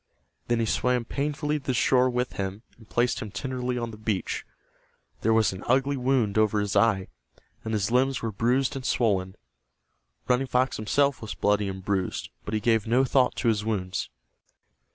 Then he swam painfully to the shore with him, and placed him tenderly on the beach. There was an ugly wound over his eye, and his limbs were bruised and swollen. Running Fox himself was bloody and bruised, but he gave no thought to his wounds.